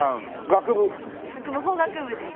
学部法学部です。